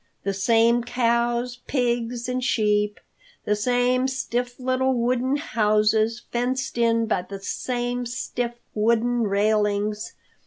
The same cows, pigs and sheep, the same stiff little wooden houses, fenced in by the same stiff wooden railings.